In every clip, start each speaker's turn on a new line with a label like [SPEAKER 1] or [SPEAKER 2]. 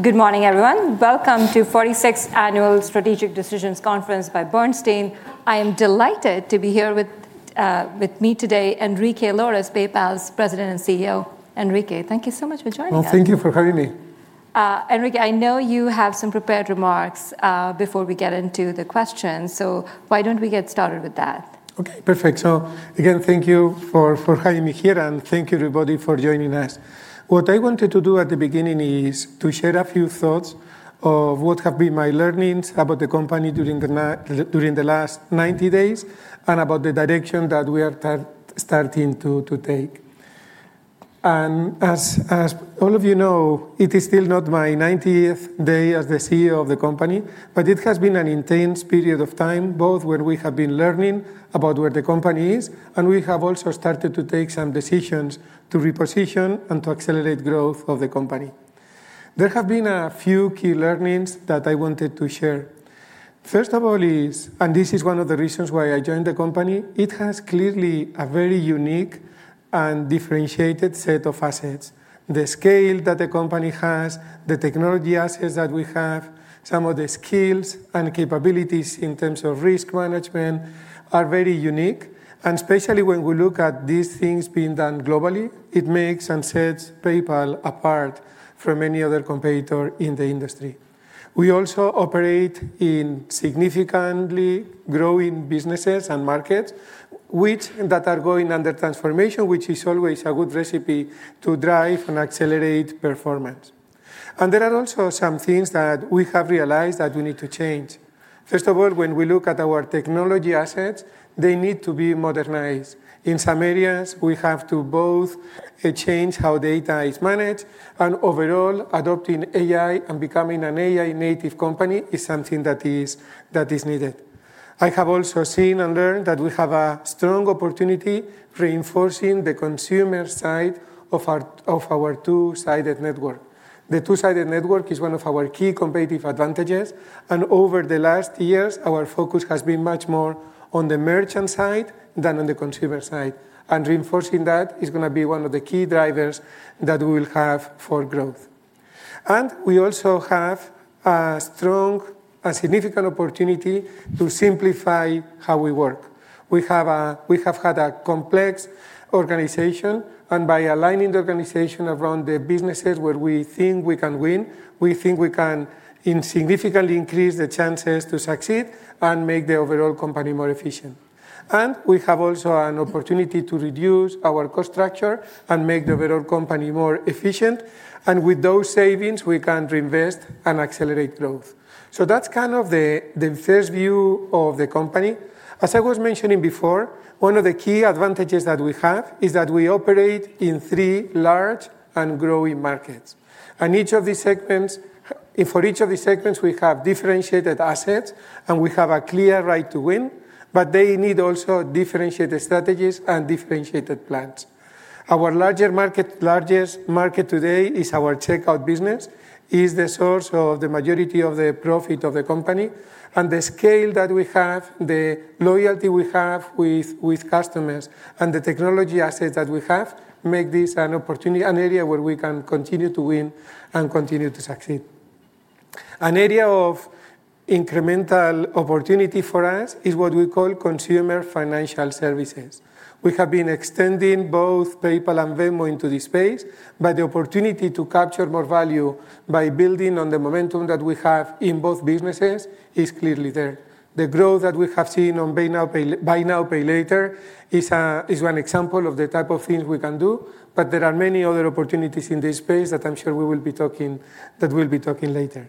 [SPEAKER 1] Good morning, everyone. Welcome to 46th Annual Strategic Decisions Conference by Bernstein. I am delighted to be here with me today, Enrique Lores, PayPal's President and CEO. Enrique, thank you so much for joining us.
[SPEAKER 2] Well, thank you for having me.
[SPEAKER 1] Enrique, I know you have some prepared remarks before we get into the questions. Why don't we get started with that?
[SPEAKER 2] Okay, perfect. Again, thank you for having me here, and thank you, everybody, for joining us. What I wanted to do at the beginning is to share a few thoughts of what have been my learnings about the company during the last 90 days and about the direction that we are starting to take. As all of you know, it is still not my 90th day as the CEO of the company, but it has been an intense period of time, both where we have been learning about where the company is, and we have also started to take some decisions to reposition and to accelerate growth of the company. There have been a few key learnings that I wanted to share. First of all is, this is one of the reasons why I joined the company, it has clearly a very unique and differentiated set of assets. The scale that the company has, the technology assets that we have, some of the skills and capabilities in terms of risk management are very unique. Especially when we look at these things being done globally, it makes and sets PayPal apart from any other competitor in the industry. We also operate in significantly growing businesses and markets that are going under transformation, which is always a good recipe to drive and accelerate performance. There are also some things that we have realized that we need to change. First of all, when we look at our technology assets, they need to be modernized. In some areas, we have to both change how data is managed, overall, adopting AI and becoming an AI-native company is something that is needed. I have also seen and learned that we have a strong opportunity reinforcing the consumer side of our two-sided network. The two-sided network is one of our key competitive advantages, over the last years, our focus has been much more on the merchant side than on the consumer side. Reinforcing that is going to be one of the key drivers that we will have for growth. We also have a strong, significant opportunity to simplify how we work. We have had a complex organization, by aligning the organization around the businesses where we think we can win, we think we can significantly increase the chances to succeed and make the overall company more efficient. We have also an opportunity to reduce our cost structure and make the overall company more efficient. With those savings, we can reinvest and accelerate growth. That's kind of the first view of the company. As I was mentioning before, one of the key advantages that we have is that we operate in three large and growing markets. For each of these segments, we have differentiated assets, and we have a clear right to win, but they need also differentiated strategies and differentiated plans. Our largest market today is our Checkout business. It's the source of the majority of the profit of the company. The scale that we have, the loyalty we have with customers, and the technology assets that we have make this an area where we can continue to win and continue to succeed. An area of incremental opportunity for us is what we call consumer financial services. We have been extending both PayPal and Venmo into this space, but the opportunity to capture more value by building on the momentum that we have in both businesses is clearly there. The growth that we have seen on buy now, pay later is one example of the type of things we can do, but there are many other opportunities in this space that I'm sure we'll be talking later.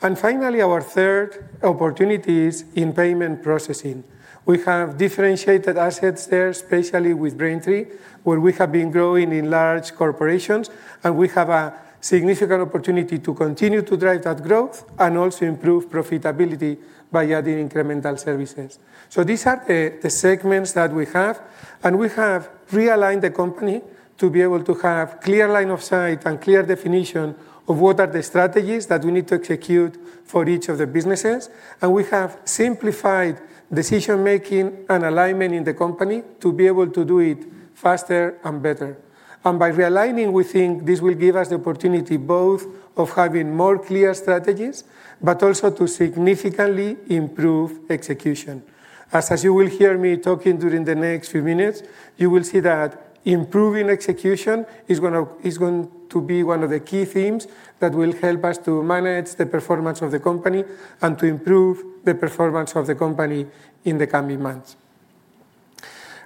[SPEAKER 2] Finally, our third opportunity is in payment processing. We have differentiated assets there, especially with Braintree, where we have been growing in large corporations, and we have a significant opportunity to continue to drive that growth and also improve profitability by adding incremental services. These are the segments that we have, and we have realigned the company to be able to have clear line of sight and clear definition of what are the strategies that we need to execute for each of the businesses. We have simplified decision-making and alignment in the company to be able to do it faster and better. By realigning, we think this will give us the opportunity both of having more clear strategies, but also to significantly improve execution. As you will hear me talking during the next few minutes, you will see that improving execution is going to be one of the key themes that will help us to manage the performance of the company and to improve the performance of the company in the coming months.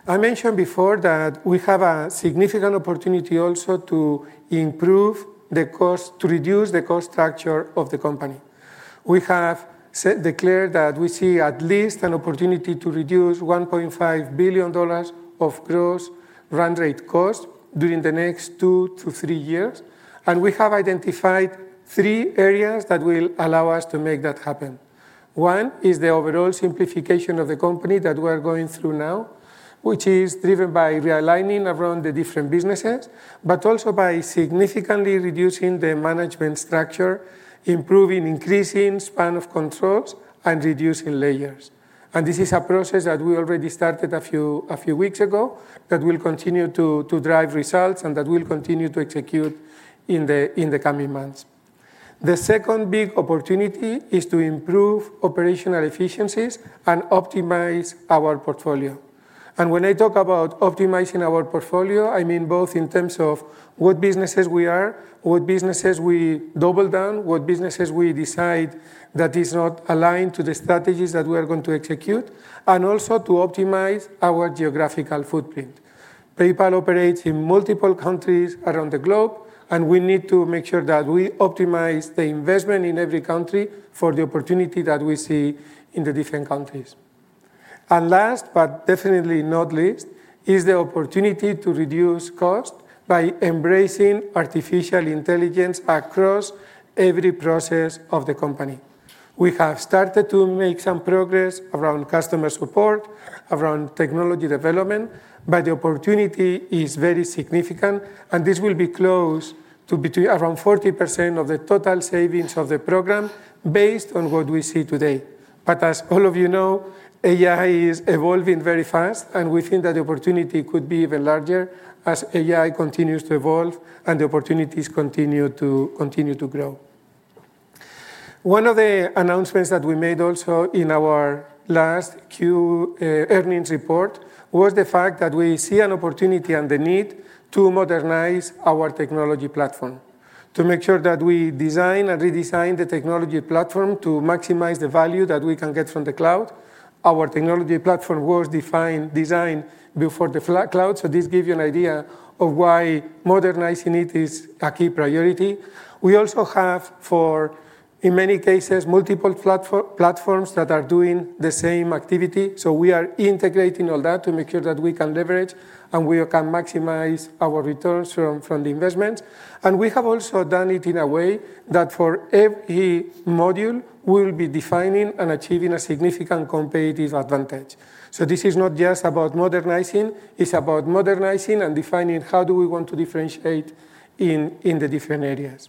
[SPEAKER 2] I mentioned before that we have a significant opportunity also to reduce the cost structure of the company. We have declared that we see at least an opportunity to reduce $1.5 billion of gross run rate cost during the next two to three years, and we have identified three areas that will allow us to make that happen. One is the overall simplification of the company that we are going through now, which is driven by realigning around the different businesses, but also by significantly reducing the management structure, improving increasing span of controls, and reducing layers. This is a process that we already started a few weeks ago that will continue to drive results and that we'll continue to execute in the coming months. The second big opportunity is to improve operational efficiencies and optimize our portfolio. When I talk about optimizing our portfolio, I mean both in terms of what businesses we are, what businesses we double down, what businesses we decide that is not aligned to the strategies that we are going to execute, and also to optimize our geographical footprint. PayPal operates in multiple countries around the globe, and we need to make sure that we optimize the investment in every country for the opportunity that we see in the different countries. Last, but definitely not least, is the opportunity to reduce cost by embracing artificial intelligence across every process of the company. We have started to make some progress around customer support, around technology development, but the opportunity is very significant, and this will be close to around 40% of the total savings of the program based on what we see today. As all of you know, AI is evolving very fast, and we think that the opportunity could be even larger as AI continues to evolve and the opportunities continue to grow. One of the announcements that we made also in our last Q earnings report was the fact that we see an opportunity and the need to modernize our technology platform to make sure that we design and redesign the technology platform to maximize the value that we can get from the cloud. Our technology platform was designed before the cloud, so this gives you an idea of why modernizing it is a key priority. We also have, in many cases, multiple platforms that are doing the same activity, so we are integrating all that to make sure that we can leverage and we can maximize our returns from the investments. We have also done it in a way that for every module, we'll be defining and achieving a significant competitive advantage. This is not just about modernizing, it's about modernizing and defining how do we want to differentiate in the different areas.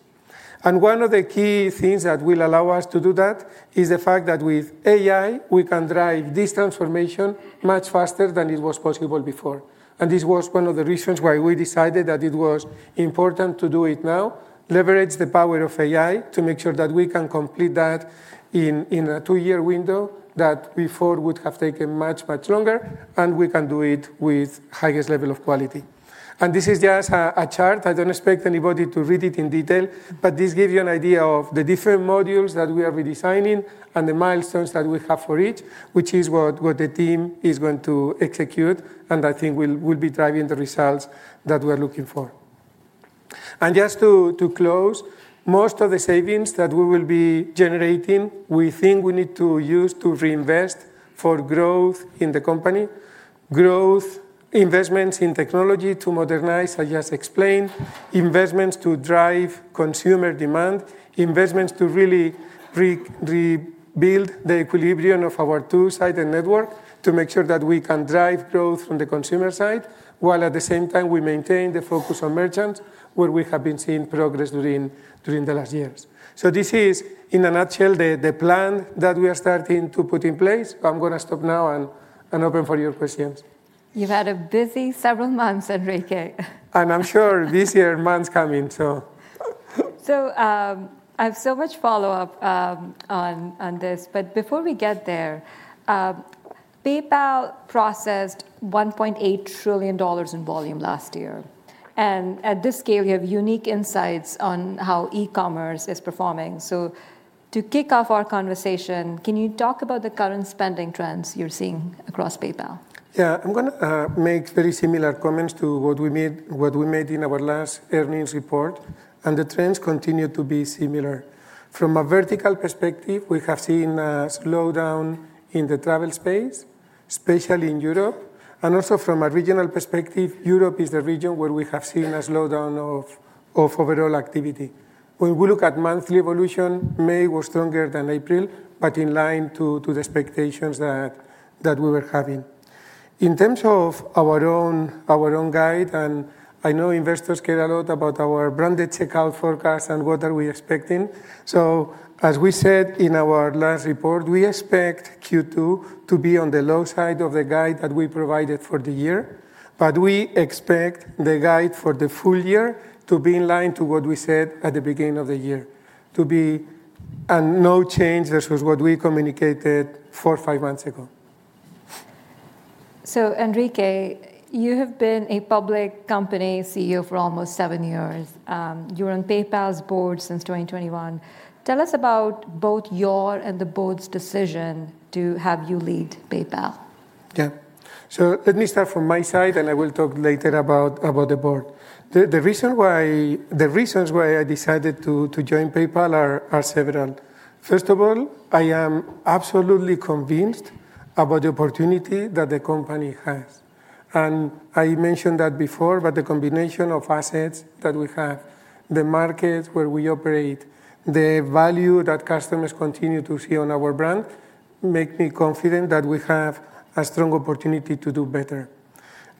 [SPEAKER 2] One of the key things that will allow us to do that is the fact that with AI, we can drive this transformation much faster than it was possible before. This was one of the reasons why we decided that it was important to do it now, leverage the power of AI to make sure that we can complete that in a two-year window that before would have taken much, much longer, and we can do it with highest level of quality. This is just a chart. I don't expect anybody to read it in detail, but this gives you an idea of the different modules that we are redesigning and the milestones that we have for each, which is what the team is going to execute, and I think will be driving the results that we're looking for. Just to close, most of the savings that we will be generating, we think we need to use to reinvest for growth in the company, growth investments in technology to modernize, I just explained, investments to drive consumer demand, investments to really rebuild the equilibrium of our two-sided network to make sure that we can drive growth from the consumer side, while at the same time we maintain the focus on merchants, where we have been seeing progress during the last years. This is in a nutshell the plan that we are starting to put in place. I'm going to stop now and open for your questions.
[SPEAKER 1] You've had a busy several months, Enrique.
[SPEAKER 2] I'm sure busier months coming.
[SPEAKER 1] I have so much follow-up on this. Before we get there, PayPal processed $1.8 trillion in volume last year, and at this scale you have unique insights on how e-commerce is performing. To kick off our conversation, can you talk about the current spending trends you're seeing across PayPal?
[SPEAKER 2] Yeah. I'm going to make very similar comments to what we made in our last earnings report, and the trends continue to be similar. From a vertical perspective, we have seen a slowdown in the travel space, especially in Europe, and also from a regional perspective, Europe is the region where we have seen a slowdown of overall activity. When we look at monthly evolution, May was stronger than April, but in line to the expectations that we were having. In terms of our own guide, and I know investors care a lot about our Branded Checkout forecast and what are we expecting. As we said in our last report, we expect Q2 to be on the low side of the guide that we provided for the year. We expect the guide for the full year to be in line to what we said at the beginning of the year, to be a no change versus what we communicated four or five months ago.
[SPEAKER 1] Enrique, you have been a public company CEO for almost seven years. You're on PayPal's board since 2021. Tell us about both your and the board's decision to have you lead PayPal?
[SPEAKER 2] Yeah. Let me start from my side, and I will talk later about the board. The reasons why I decided to join PayPal are several. First of all, I am absolutely convinced about the opportunity that the company has. I mentioned that before, but the combination of assets that we have, the markets where we operate, the value that customers continue to see on our brand, make me confident that we have a strong opportunity to do better.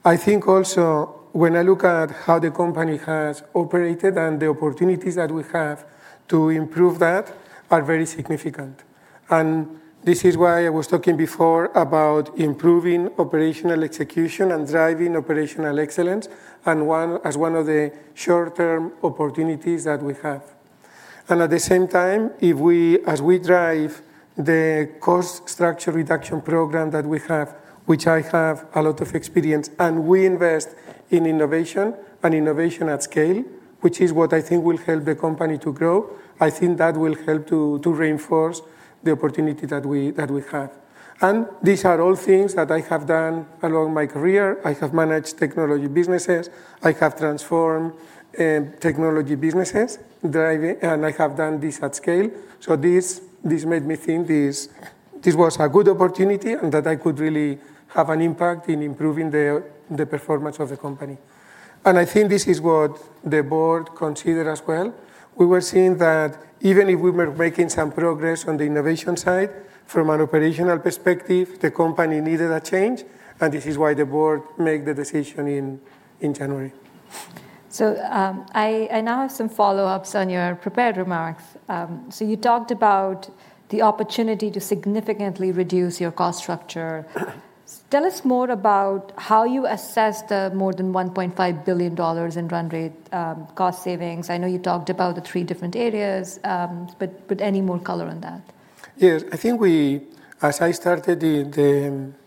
[SPEAKER 2] I think also when I look at how the company has operated and the opportunities that we have to improve that are very significant. This is why I was talking before about improving operational execution and driving operational excellence as one of the short-term opportunities that we have. At the same time, as we drive the cost structure reduction program that we have, which I have a lot of experience, and we invest in innovation and innovation at scale, which is what I think will help the company to grow. I think that will help to reinforce the opportunity that we have. These are all things that I have done along my career. I have managed technology businesses, I have transformed technology businesses, and I have done this at scale. This made me think this was a good opportunity and that I could really have an impact in improving the performance of the company. I think this is what the board considered as well. We were seeing that even if we were making some progress on the innovation side, from an operational perspective, the company needed a change, and this is why the board made the decision in January.
[SPEAKER 1] I now have some follow-ups on your prepared remarks. You talked about the opportunity to significantly reduce your cost structure. Tell us more about how you assessed the more than $1.5 billion in run rate cost savings. I know you talked about the three different areas, but any more color on that?
[SPEAKER 2] Yes. I think as I became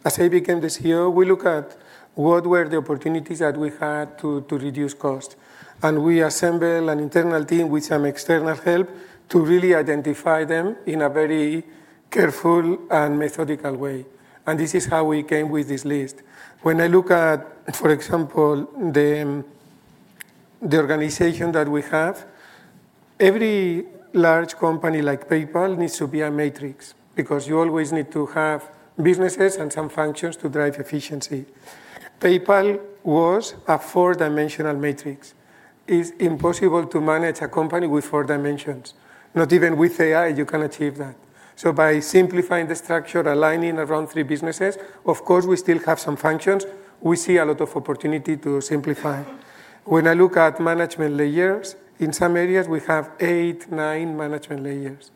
[SPEAKER 2] the CEO, we look at what were the opportunities that we had to reduce cost. We assembled an internal team with some external help to really identify them in a very careful and methodical way. This is how we came with this list. When I look at, for example, the organization that we have, every large company like PayPal needs to be a matrix because you always need to have businesses and some functions to drive efficiency. PayPal was a four-dimensional matrix. It's impossible to manage a company with four dimensions. Not even with AI you can achieve that. By simplifying the structure, aligning around three businesses, of course, we still have some functions. We see a lot of opportunity to simplify. When I look at management layers, in some areas, we have eight, nine management layers.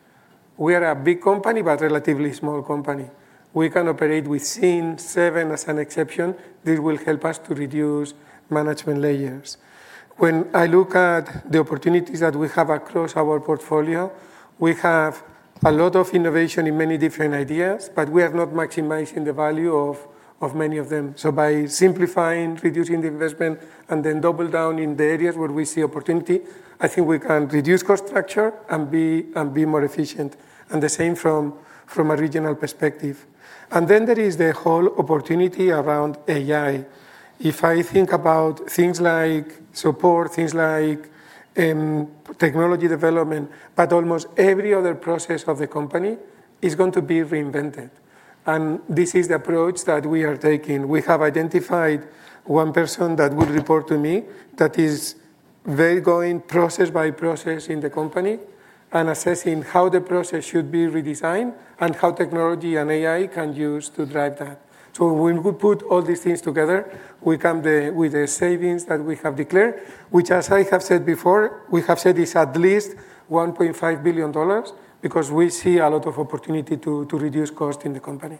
[SPEAKER 2] We are a big company, but relatively small company. We can operate with six, seven as an exception. This will help us to reduce management layers. When I look at the opportunities that we have across our portfolio, we have a lot of innovation in many different ideas, but we have not maximized the value of many of them. By simplifying, reducing the investment, and then double down in the areas where we see opportunity, I think we can reduce cost structure and be more efficient. The same from a regional perspective. There is the whole opportunity around AI. If I think about things like support, things like technology development, but almost every other process of the company is going to be reinvented. This is the approach that we are taking. We have identified one person that will report to me, that is they're going process by process in the company and assessing how the process should be redesigned and how technology and AI can use to drive that. When we put all these things together, we come with the savings that we have declared, which as I have said before, we have said is at least $1.5 billion because we see a lot of opportunity to reduce cost in the company.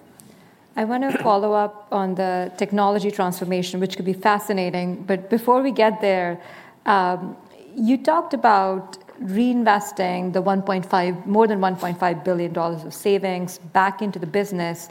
[SPEAKER 1] I want to follow up on the technology transformation, which could be fascinating. Before we get there, you talked about reinvesting the more than $1.5 billion of savings back into the business.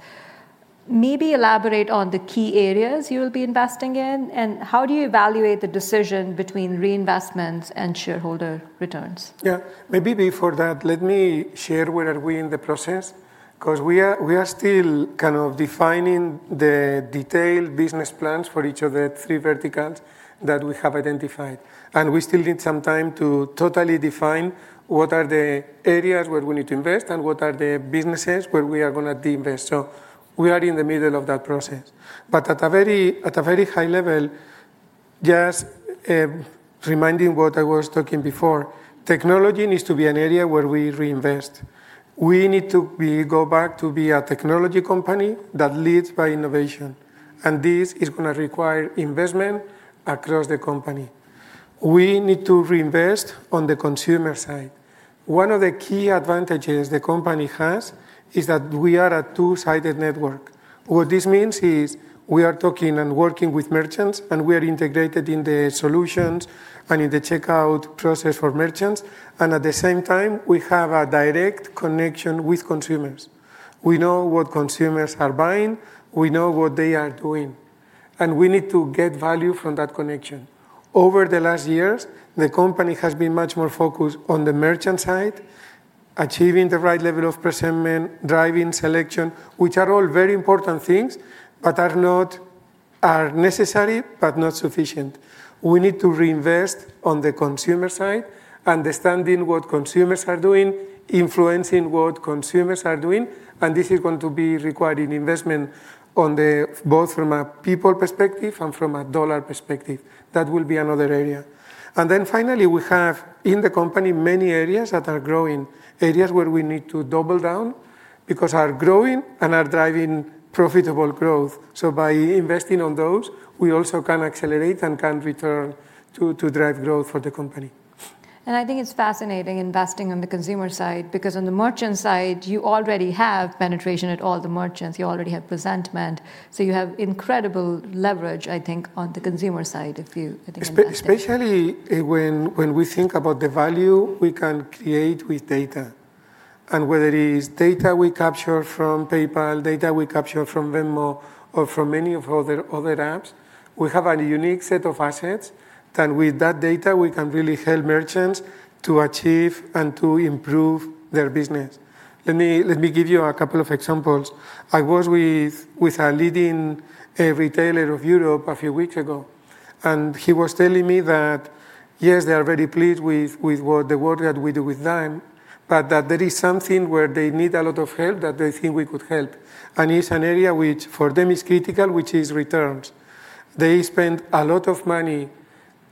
[SPEAKER 1] Maybe elaborate on the key areas you'll be investing in, and how do you evaluate the decision between reinvestments and shareholder returns?
[SPEAKER 2] Yeah. Maybe before that, let me share where are we in the process. Because we are still kind of defining the detailed business plans for each of the three verticals that we have identified. We still need some time to totally define what are the areas where we need to invest and what are the businesses where we are going to de-invest. We are in the middle of that process. At a very high level, just reminding what I was talking before, technology needs to be an area where we reinvest. We need to go back to be a technology company that leads by innovation, and this is going to require investment across the company. We need to reinvest on the consumer side. One of the key advantages the company has is that we are a two-sided network. What this means is we are talking and working with merchants, and we are integrated in the solutions and in the checkout process for merchants. At the same time, we have a direct connection with consumers. We know what consumers are buying, we know what they are doing, and we need to get value from that connection. Over the last years, the company has been much more focused on the merchant side, achieving the right level of presentment, driving selection, which are all very important things, are necessary but not sufficient. We need to reinvest on the consumer side, understanding what consumers are doing, influencing what consumers are doing, and this is going to be requiring investment both from a people perspective and from a dollar perspective. That will be another area. Finally, we have in the company many areas that are growing. Areas where we need to double down because are growing and are driving profitable growth. By investing on those, we also can accelerate and can return to drive growth for the company.
[SPEAKER 1] I think it's fascinating investing on the consumer side, because on the merchant side you already have penetration at all the merchants. You already have presentment, you have incredible leverage, I think, on the consumer side if you, I think, invest there.
[SPEAKER 2] Especially when we think about the value we can create with data. Whether it is data we capture from PayPal, data we capture from Venmo or from many of other apps, we have a unique set of assets that with that data, we can really help merchants to achieve and to improve their business. Let me give you a couple of examples. I was with a leading retailer of Europe a few weeks ago, he was telling me that, yes, they are very pleased with the work that we do with them, but that there is something where they need a lot of help that they think we could help. It's an area which for them is critical, which is returns. They spend a lot of money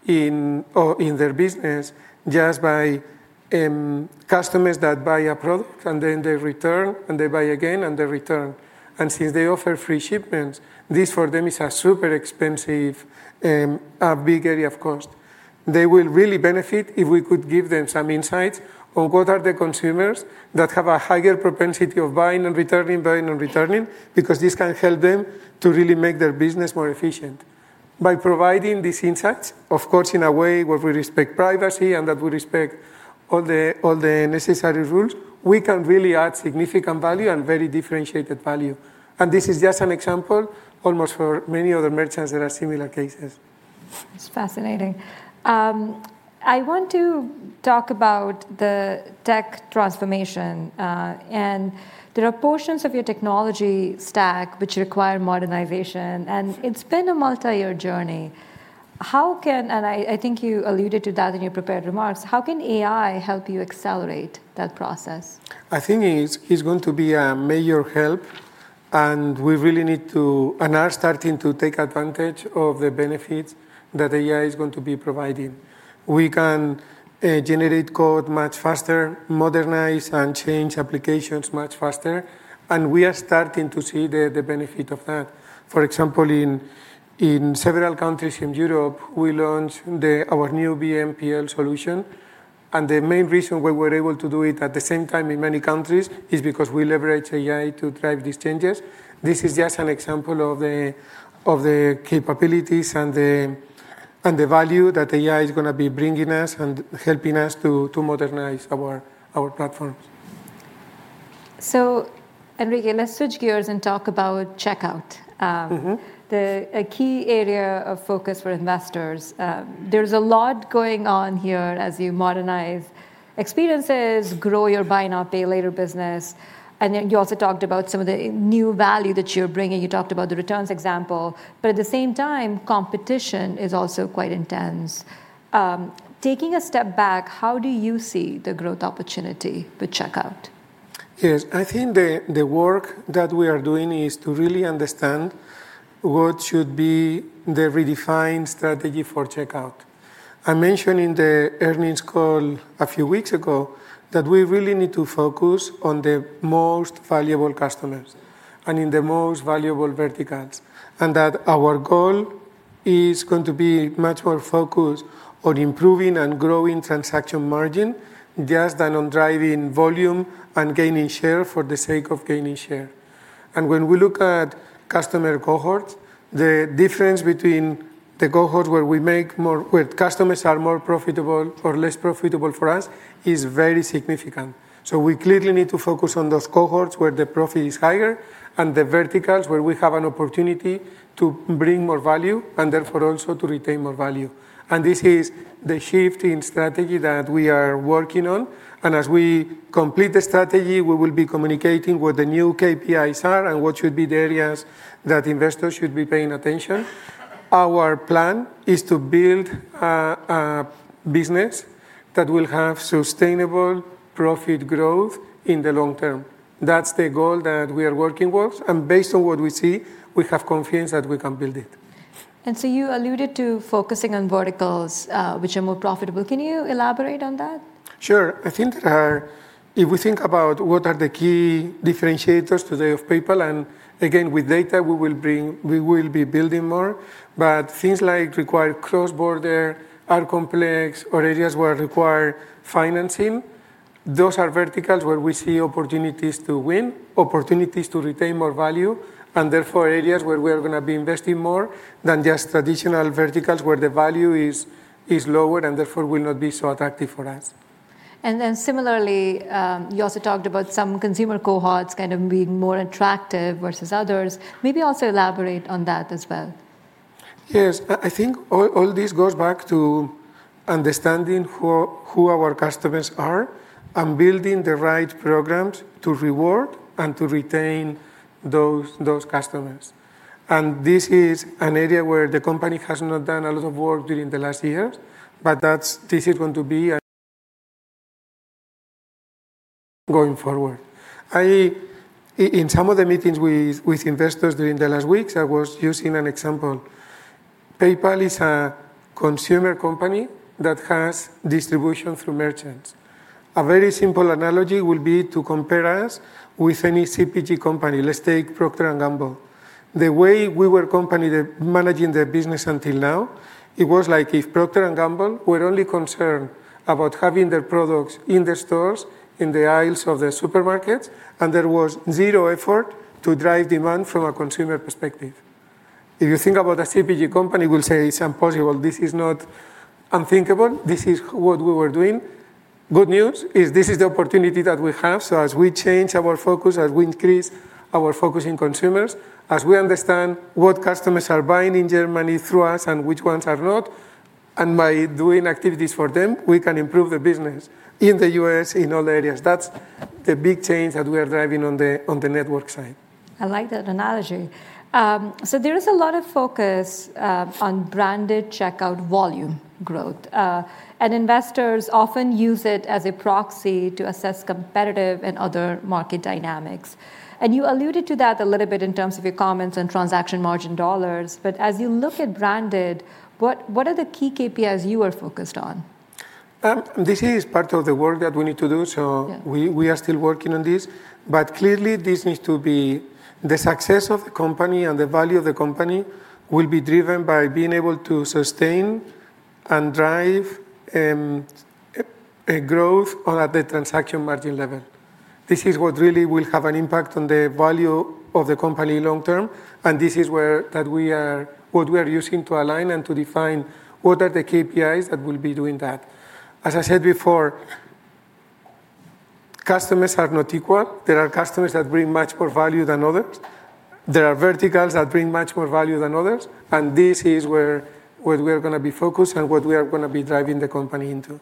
[SPEAKER 2] in their business just by customers that buy a product, and then they return, and they buy again, and they return. Since they offer free shipments, this for them is a super expensive, big area of cost. They will really benefit if we could give them some insights on what are the consumers that have a higher propensity of buying and returning, buying and returning. This can help them to really make their business more efficient. By providing these insights, of course, in a way where we respect privacy and that we respect all the necessary rules, we can really add significant value and very differentiated value. This is just an example almost for many other merchants there are similar cases.
[SPEAKER 1] It's fascinating. I want to talk about the tech transformation. There are portions of your technology stack which require modernization, and it's been a multi-year journey. I think you alluded to that in your prepared remarks, how can AI help you accelerate that process?
[SPEAKER 2] I think it's going to be a major help, and we really need to and are starting to take advantage of the benefits that AI is going to be providing. We can generate code much faster, modernize and change applications much faster, and we are starting to see the benefit of that. For example, in several countries in Europe, we launched our new BNPL solution. The main reason why we're able to do it at the same time in many countries is because we leverage AI to drive these changes. This is just an example of the capabilities and the value that AI is going to be bringing us and helping us to modernize our platforms.
[SPEAKER 1] Enrique, let's switch gears and talk about Checkout. A key area of focus for investors. There's a lot going on here as you modernize experiences, grow your buy now, pay later business, and then you also talked about some of the new value that you're bringing. You talked about the returns example, but at the same time, competition is also quite intense. Taking a step back, how do you see the growth opportunity with Checkout?
[SPEAKER 2] Yes. I think the work that we are doing is to really understand what should be the redefined strategy for Checkout. I mentioned in the earnings call a few weeks ago that we really need to focus on the most valuable customers and in the most valuable verticals. That our goal is going to be much more focused on improving and growing transaction margin just than on driving volume and gaining share for the sake of gaining share. When we look at customer cohorts, the difference between the cohorts where customers are more profitable or less profitable for us is very significant. We clearly need to focus on those cohorts where the profit is higher and the verticals where we have an opportunity to bring more value, and therefore also to retain more value. This is the shift in strategy that we are working on. As we complete the strategy, we will be communicating what the new KPIs are and what should be the areas that investors should be paying attention. Our plan is to build a business that will have sustainable profit growth in the long term. That's the goal that we are working towards, and based on what we see, we have confidence that we can build it.
[SPEAKER 1] You alluded to focusing on verticals, which are more profitable. Can you elaborate on that?
[SPEAKER 2] Sure. If we think about what are the key differentiators today of PayPal, and again, with data we will be building more, but things like require cross-border, are complex or areas where require financing. Those are verticals where we see opportunities to win, opportunities to retain more value, and therefore areas where we are going to be investing more than just traditional verticals where the value is lower and therefore will not be so attractive for us.
[SPEAKER 1] Similarly, you also talked about some consumer cohorts kind of being more attractive versus others. Maybe also elaborate on that as well.
[SPEAKER 2] Yes. I think all this goes back to understanding who our customers are and building the right programs to reward and to retain those customers. This is an area where the company has not done a lot of work during the last years, but this is going to be going forward. In some of the meetings with investors during the last weeks, I was using an example. PayPal is a consumer company that has distribution through merchants. A very simple analogy will be to compare us with any CPG company. Let's take Procter & Gamble. The way we were managing the business until now, it was like if Procter & Gamble were only concerned about having their products in the stores, in the aisles of the supermarkets, and there was zero effort to drive demand from a consumer perspective. If you think about a CPG company, we'll say it's impossible. This is not unthinkable. This is what we were doing. Good news is this is the opportunity that we have. As we change our focus, as we increase our focus in consumers, as we understand what customers are buying in Germany through us and which ones are not, and by doing activities for them, we can improve the business in the U.S., in all areas. That's the big change that we are driving on the network side.
[SPEAKER 1] I like that analogy. There is a lot of focus on Branded Checkout volume growth. Investors often use it as a proxy to assess competitive and other market dynamics. You alluded to that a little bit in terms of your comments on transaction margin dollars. As you look at branded, what are the key KPIs you are focused on?
[SPEAKER 2] This is part of the work that we need to do.
[SPEAKER 1] Yeah.
[SPEAKER 2] We are still working on this. Clearly, this needs to be the success of the company, and the value of the company will be driven by being able to sustain and drive growth at the transaction margin level. This is what really will have an impact on the value of the company long term, and this is what we are using to align and to define what are the KPIs that will be doing that. As I said before, customers are not equal. There are customers that bring much more value than others. There are verticals that bring much more value than others. This is where we are going to be focused and what we are going to be driving the company into.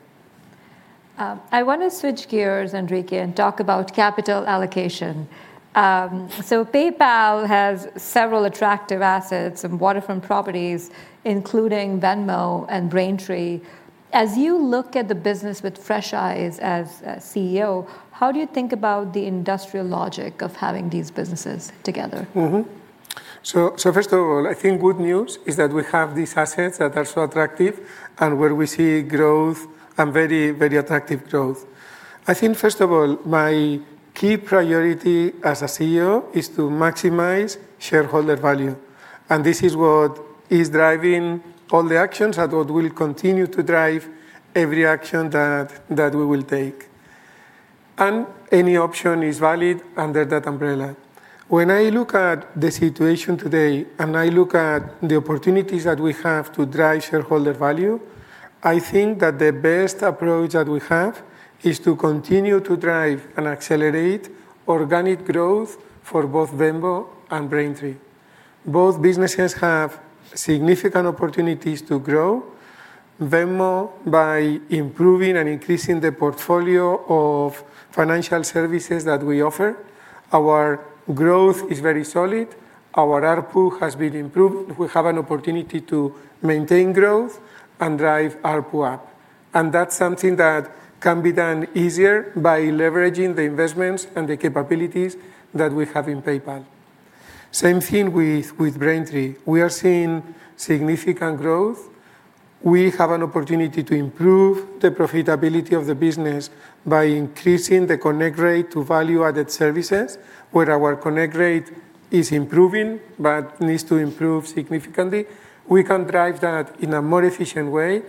[SPEAKER 1] I want to switch gears, Enrique, and talk about capital allocation. PayPal has several attractive assets and waterfront properties, including Venmo and Braintree. As you look at the business with fresh eyes as CEO, how do you think about the industrial logic of having these businesses together?
[SPEAKER 2] Mm-hmm. First of all, I think good news is that we have these assets that are so attractive and where we see growth and very attractive growth. I think, first of all, my key priority as a CEO is to maximize shareholder value. This is what is driving all the actions and what will continue to drive every action that we will take. Any option is valid under that umbrella. When I look at the situation today and I look at the opportunities that we have to drive shareholder value, I think that the best approach that we have is to continue to drive and accelerate organic growth for both Venmo and Braintree. Both businesses have significant opportunities to grow. Venmo, by improving and increasing the portfolio of financial services that we offer. Our growth is very solid. Our ARPU has been improved. We have an opportunity to maintain growth and drive ARPU up, and that's something that can be done easier by leveraging the investments and the capabilities that we have in PayPal. Same thing with Braintree. We are seeing significant growth. We have an opportunity to improve the profitability of the business by increasing the connect rate to value-added services, where our connect rate is improving but needs to improve significantly. We can drive that in a more efficient way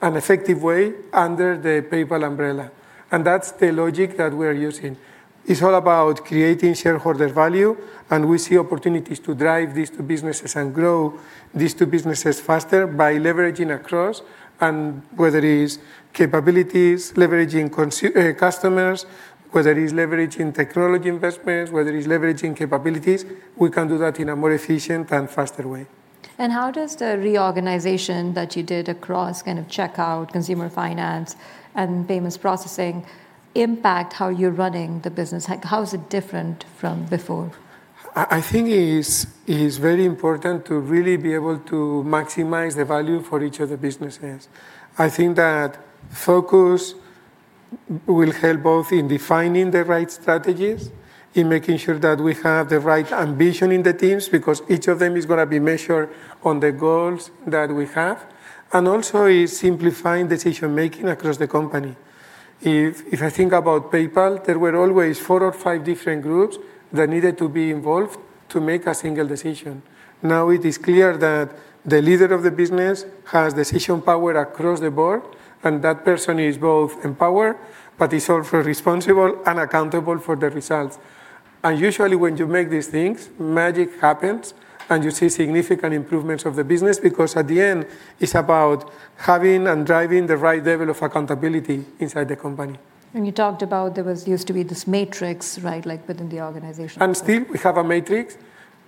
[SPEAKER 2] and effective way under the PayPal umbrella, and that's the logic that we're using. It's all about creating shareholder value, and we see opportunities to drive these two businesses and grow these two businesses faster by leveraging across. Whether it is capabilities, leveraging customers, whether it is leveraging technology investments, whether it's leveraging capabilities, we can do that in a more efficient and faster way.
[SPEAKER 1] How does the reorganization that you did across kind of checkout consumer finance and payments processing impact how you're running the business? How is it different from before?
[SPEAKER 2] I think it is very important to really be able to maximize the value for each of the businesses. I think that focus will help both in defining the right strategies, in making sure that we have the right ambition in the teams because each of them is going to be measured on the goals that we have. Also it's simplifying decision-making across the company. If I think about PayPal, there were always four or five different groups that needed to be involved to make a single decision. Now it is clear that the leader of the business has decision power across the board, and that person is both empowered but is also responsible and accountable for the results. Usually, when you make these things, magic happens, and you see significant improvements of the business because at the end, it's about having and driving the right level of accountability inside the company.
[SPEAKER 1] You talked about there used to be this matrix, right, like within the organization.
[SPEAKER 2] Still we have a matrix,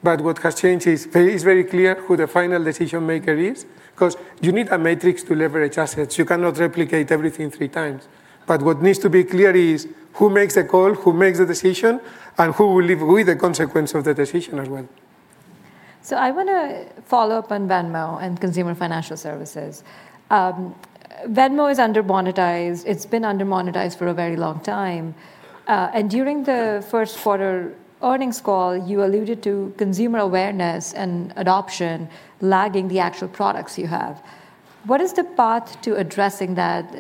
[SPEAKER 2] but what has changed is it's very clear who the final decision-maker is because you need a matrix to leverage assets. You cannot replicate everything three times. What needs to be clear is who makes the call, who makes the decision, and who will live with the consequence of the decision as well.
[SPEAKER 1] I want to follow up on Venmo and consumer financial services. Venmo is under-monetized. It's been under-monetized for a very long time. During the first quarter earnings call, you alluded to consumer awareness and adoption lagging the actual products you have. What is the path to addressing that,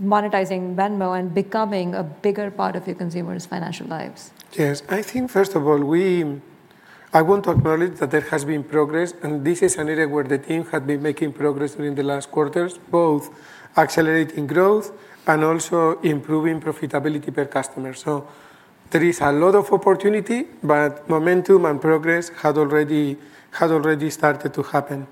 [SPEAKER 1] monetizing Venmo, and becoming a bigger part of your consumers' financial lives?
[SPEAKER 2] Yes. I think, first of all, I want to acknowledge that there has been progress, and this is an area where the team had been making progress during the last quarters, both accelerating growth and also improving profitability per customer. There is a lot of opportunity, but momentum and progress had already started to happen.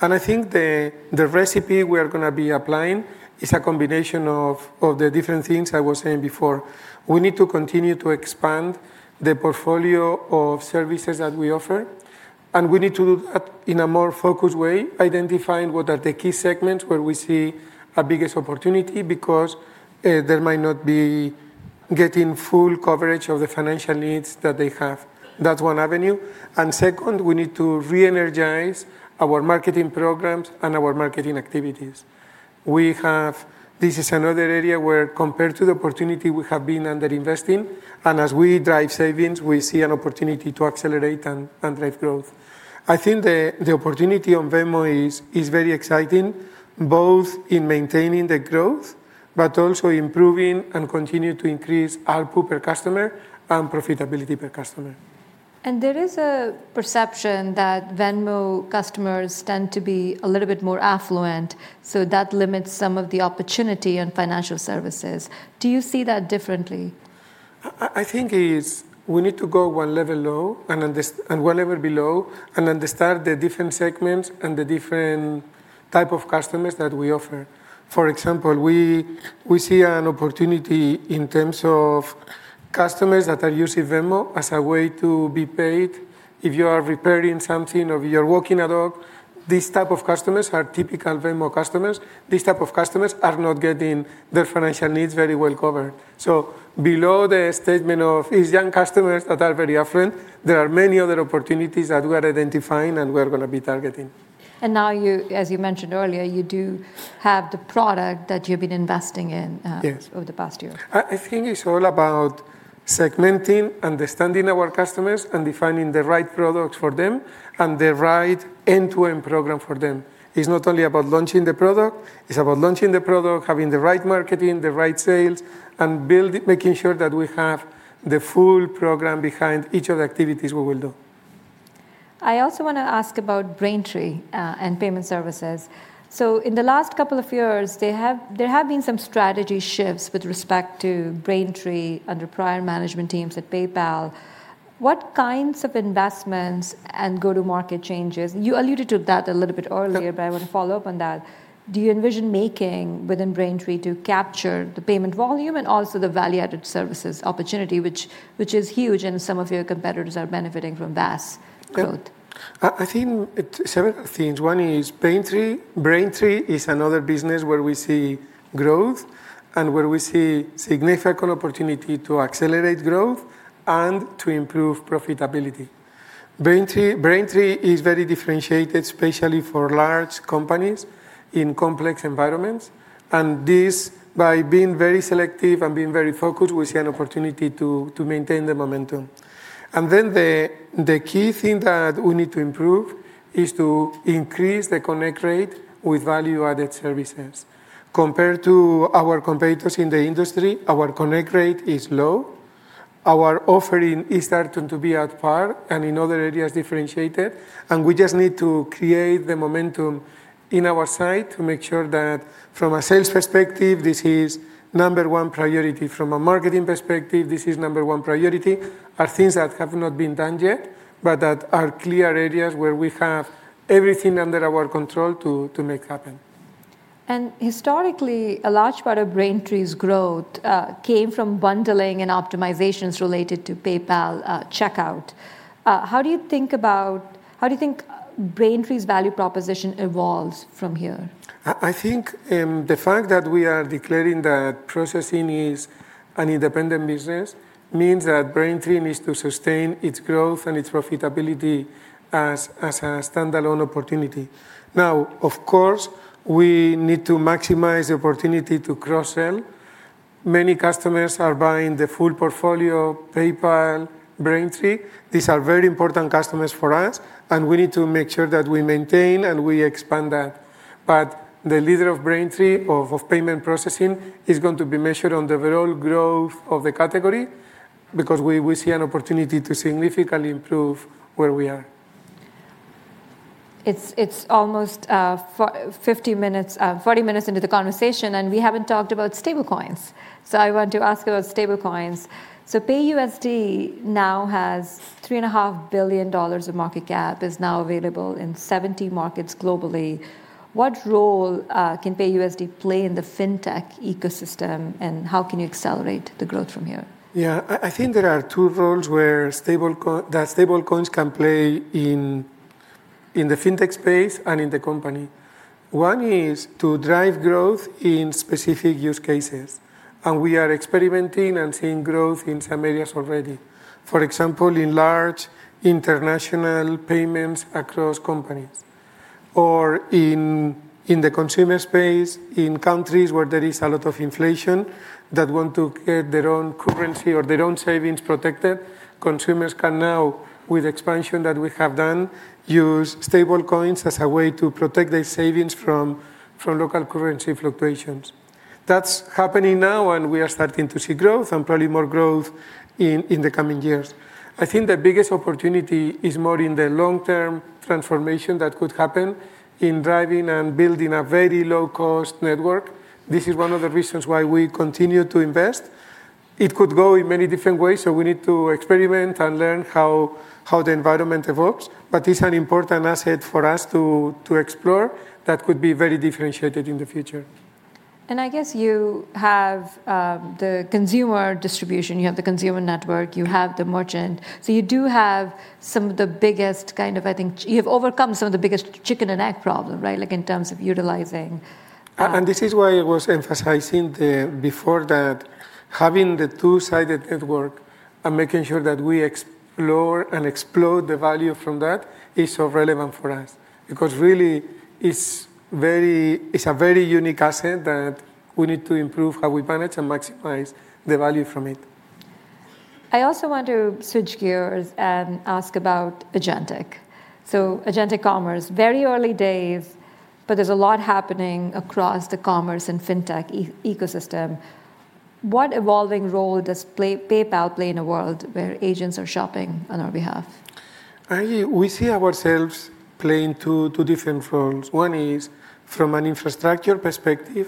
[SPEAKER 2] I think the recipe we are going to be applying is a combination of the different things I was saying before. We need to continue to expand the portfolio of services that we offer, and we need to do that in a more focused way, identifying what are the key segments where we see a biggest opportunity because there might not be getting full coverage of the financial needs that they have. That's one avenue. Second, we need to reenergize our marketing programs and our marketing activities. This is another area where, compared to the opportunity, we have been under-investing, and as we drive savings, we see an opportunity to accelerate and drive growth. I think the opportunity on Venmo is very exciting, both in maintaining the growth but also improving and continuing to increase ARPU per customer and profitability per customer.
[SPEAKER 1] There is a perception that Venmo customers tend to be a little bit more affluent, so that limits some of the opportunity in financial services. Do you see that differently?
[SPEAKER 2] I think it is we need to go one level below and understand the different segments and the different type of customers that we offer. For example, we see an opportunity in terms of customers that are using Venmo as a way to be paid. If you are repairing something or you are walking a dog, these type of customers are typical Venmo customers. These type of customers are not getting their financial needs very well covered. Below the statement of it's young customers that are very affluent, there are many other opportunities that we are identifying and we are going to be targeting.
[SPEAKER 1] Now as you mentioned earlier, you do have the product that you've been investing in.
[SPEAKER 2] Yes.
[SPEAKER 1] Over the past year.
[SPEAKER 2] I think it's all about segmenting, understanding our customers, and defining the right products for them and the right end-to-end program for them. It's not only about launching the product, it's about launching the product, having the right marketing, the right sales, and making sure that we have the full program behind each of the activities we will do.
[SPEAKER 1] I also want to ask about Braintree and payment services. In the last couple of years, there have been some strategy shifts with respect to Braintree under prior management teams at PayPal. What kinds of investments and go-to-market changes, you alluded to that a little bit earlier, but I want to follow up on that, do you envision making within Braintree to capture the payment volume and also the value-added services opportunity, which is huge and some of your competitors are benefiting from vast growth?
[SPEAKER 2] I think several things. One is Braintree is another business where we see growth and where we see significant opportunity to accelerate growth and to improve profitability. Braintree is very differentiated, especially for large companies in complex environments. This, by being very selective and being very focused, we see an opportunity to maintain the momentum. The key thing that we need to improve is to increase the connect rate with value-added services. Compared to our competitors in the industry, our connect rate is low. Our offering is starting to be at par and in other areas differentiated, and we just need to create the momentum in our side to make sure that from a sales perspective, this is number one priority, from a marketing perspective, this is number one priority, are things that have not been done yet, but that are clear areas where we have everything under our control to make happen.
[SPEAKER 1] Historically, a large part of Braintree's growth came from bundling and optimizations related to PayPal Checkout. How do you think Braintree's value proposition evolves from here?
[SPEAKER 2] I think the fact that we are declaring that processing is an independent business means that Braintree needs to sustain its growth and its profitability as a standalone opportunity. Of course, we need to maximize the opportunity to cross-sell. Many customers are buying the full portfolio, PayPal, Braintree. These are very important customers for us, and we need to make sure that we maintain and we expand that. The leader of Braintree, of payment processing, is going to be measured on the overall growth of the category because we see an opportunity to significantly improve where we are.
[SPEAKER 1] It's almost 40 minutes into the conversation, we haven't talked about stablecoins. I want to ask about stablecoins. PYUSD now has $3.5 billion of market cap, is now available in 70 markets globally. What role can PYUSD play in the fintech ecosystem, and how can you accelerate the growth from here?
[SPEAKER 2] Yeah. I think there are two roles that stablecoins can play in the fintech space and in the company. One is to drive growth in specific use cases, and we are experimenting and seeing growth in some areas already. For example, in large international payments across companies, or in the consumer space, in countries where there is a lot of inflation that want to get their own currency or their own savings protected. Consumers can now, with expansion that we have done, use stablecoins as a way to protect their savings from local currency fluctuations. That's happening now, and we are starting to see growth and probably more growth in the coming years. I think the biggest opportunity is more in the long-term transformation that could happen in driving and building a very low-cost network. This is one of the reasons why we continue to invest. It could go in many different ways, so we need to experiment and learn how the environment evolves, but it's an important asset for us to explore that could be very differentiated in the future.
[SPEAKER 1] I guess you have the consumer distribution, you have the consumer network, you have the merchant. So you do have some of the biggest kind of, I think you have overcome some of the biggest chicken and egg problem, right? Like in terms of utilizing.
[SPEAKER 2] This is why I was emphasizing before that having the two-sided network and making sure that we explore and explode the value from that is so relevant for us. Really it's a very unique asset that we need to improve how we manage and maximize the value from it.
[SPEAKER 1] I also want to switch gears and ask about agentic. Agentic commerce, very early days, but there's a lot happening across the commerce and fintech ecosystem. What evolving role does PayPal play in a world where agents are shopping on our behalf?
[SPEAKER 2] We see ourselves playing two different roles. One is from an infrastructure perspective,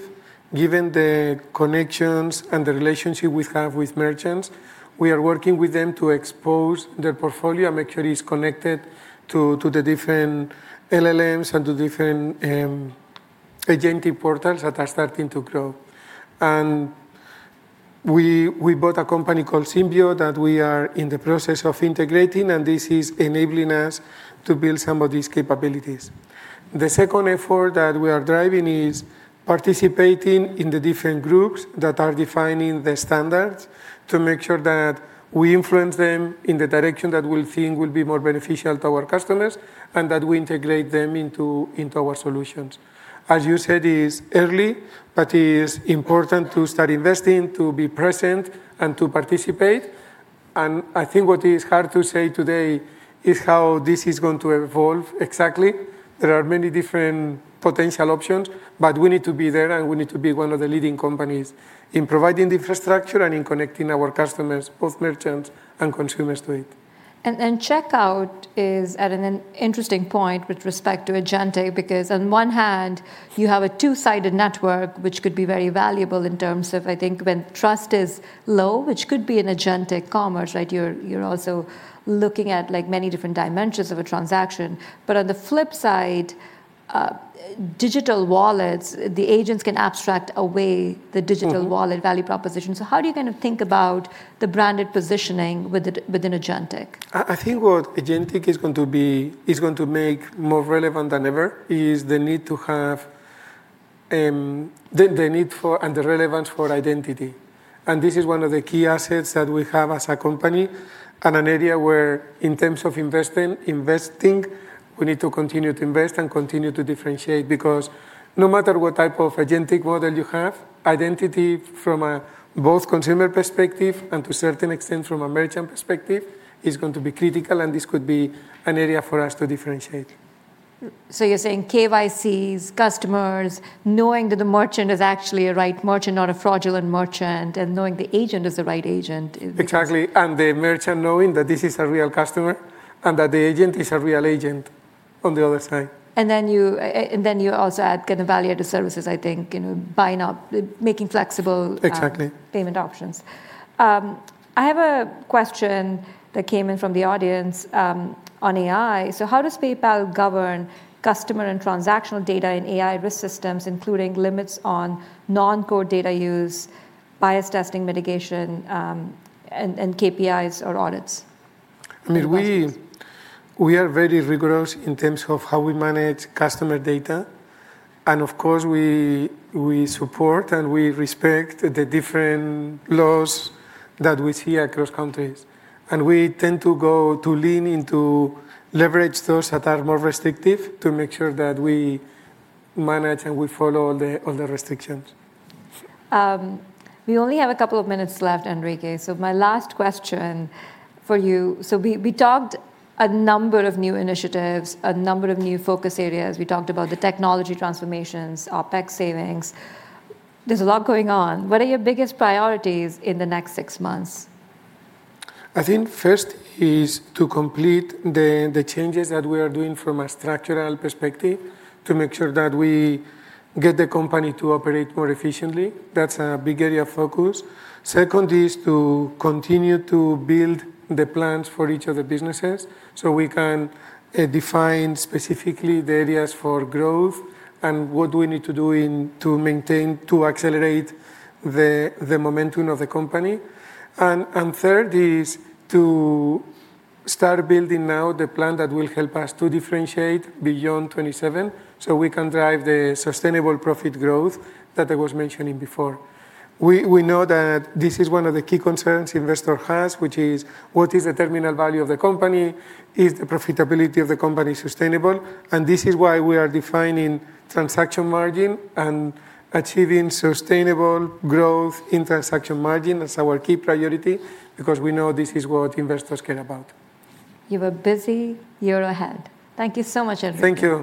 [SPEAKER 2] given the connections and the relationship we have with merchants, we are working with them to expose their portfolio and make sure it's connected to the different LLMs and to different agentic portals that are starting to grow. We bought a company called Cymbio that we are in the process of integrating, and this is enabling us to build some of these capabilities. The second effort that we are driving is participating in the different groups that are defining the standards to make sure that we influence them in the direction that we think will be more beneficial to our customers, and that we integrate them into our solutions. As you said, it is early, but it is important to start investing, to be present, and to participate. I think what is hard to say today is how this is going to evolve exactly. There are many different potential options, but we need to be there, and we need to be one of the leading companies in providing the infrastructure and in connecting our customers, both merchants and consumers, to it.
[SPEAKER 1] Checkout is at an interesting point with respect to agentic because on one hand, you have a two-sided network, which could be very valuable in terms of, I think, when trust is low, which could be in agentic commerce, right? You're also looking at many different dimensions of a transaction. But on the flip side, digital wallets, the agents can abstract away the digital wallet value proposition. How do you think about the branded positioning within agentic?
[SPEAKER 2] I think what agentic is going to make more relevant than ever is the need for, and the relevance for identity. This is one of the key assets that we have as a company and an area where, in terms of investing, we need to continue to invest and continue to differentiate. No matter what type of agentic model you have, identity from a both consumer perspective and to certain extent from a merchant perspective, is going to be critical, and this could be an area for us to differentiate.
[SPEAKER 1] You're saying KYCs, customers, knowing that the merchant is actually a right merchant, not a fraudulent merchant, and knowing the agent is the right agent.
[SPEAKER 2] Exactly. The merchant knowing that this is a real customer and that the agent is a real agent on the other side.
[SPEAKER 1] You also add value-added services, I think, buying up, making flexible-
[SPEAKER 2] Exactly.
[SPEAKER 1] payment options. I have a question that came in from the audience on AI. How does PayPal govern customer and transactional data in AI risk systems, including limits on non-core data use, bias testing mitigation, and KPIs or audits from the customers?
[SPEAKER 2] We are very rigorous in terms of how we manage customer data. Of course, we support and we respect the different laws that we see across countries. We tend to lean into leverage those that are more restrictive to make sure that we manage and we follow all the restrictions.
[SPEAKER 1] We only have a couple of minutes left, Enrique. My last question for you, so we talked a number of new initiatives, a number of new focus areas. We talked about the technology transformations, OpEx savings. There's a lot going on. What are your biggest priorities in the next six months?
[SPEAKER 2] I think first is to complete the changes that we are doing from a structural perspective to make sure that we get the company to operate more efficiently. That's a big area of focus. Second is to continue to build the plans for each of the businesses so we can define specifically the areas for growth and what do we need to do to accelerate the momentum of the company. Third is to start building now the plan that will help us to differentiate beyond 2027 so we can drive the sustainable profit growth that I was mentioning before. We know that this is one of the key concerns investor has, which is what is the terminal value of the company? Is the profitability of the company sustainable? This is why we are defining transaction margin and achieving sustainable growth in transaction margin. That's our key priority because we know this is what investors care about.
[SPEAKER 1] You have a busy year ahead. Thank you so much, Enrique.
[SPEAKER 2] Thank you.